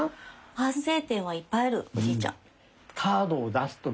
反省点はいっぱいあるおじいちゃん。